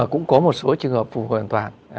cũng có một số trường hợp phù hợp hoàn toàn